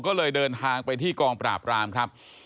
ก็เลยเดินทางไปที่กองปราบรามครับ